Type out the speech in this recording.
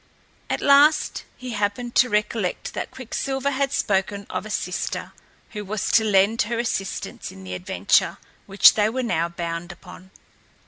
At last, he happened to recollect that Quicksilver had spoken of a sister who was to lend her assistance in the adventure which they were now bound upon.